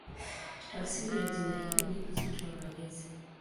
Tafsiri ya jina hilo ni "Uzito wa Malezi".